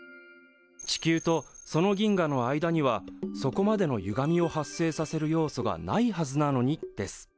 地球とその銀河の間にはそこまでのゆがみを発生させる要素がないはずなのにです。